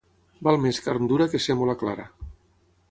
Val més carn dura que sèmola clara.